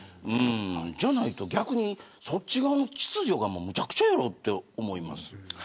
じゃないと逆にそっち側の秩序がめちゃくちゃやろと思います。